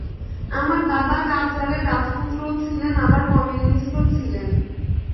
আমার দাদা কাদজারের রাজপুত্রও ছিলেন আবার কমিউনিস্টও ছিলেন!